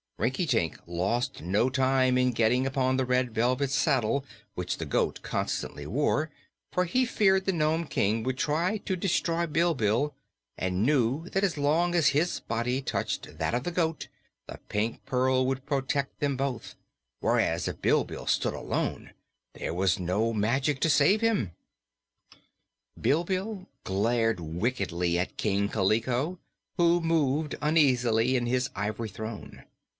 Rinkitink lost no time in getting upon the red velvet saddle which the goat constantly wore, for he feared the Nome King would try to destroy Bilbil and knew that as long as his body touched that of the goat the Pink Pearl would protect them both; whereas, if Bilbil stood alone, there was no magic to save him. Bilbil glared wickedly at King Kaliko, who moved uneasily in his ivory throne.